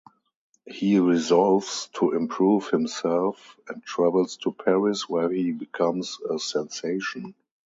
He resolves to improve himself and travels to Paris, where he becomes a sensation.